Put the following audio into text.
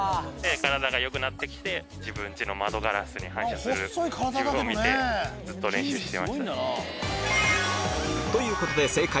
体が良くなって来て自分家の窓ガラスに反射する自分を見てずっと練習してました。